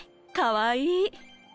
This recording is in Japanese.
かわいい。